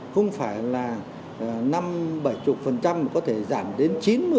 không phải là năm bảy mươi có thể giảm đến chín mươi chín mươi năm